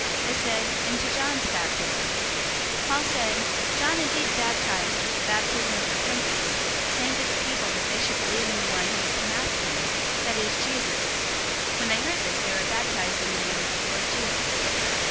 They said, "Into John's baptism." 019:004 Paul said, "John indeed baptized with the baptism of repentance, saying to the people that they should believe in the one who would come after him, that is, in Jesus." 019:005 When they heard this, they were baptized in the name of the Lord Jesus.